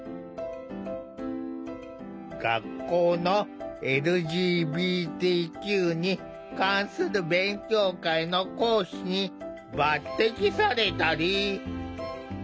学校のＬＧＢＴＱに関する勉強会の講師に抜てきされたり。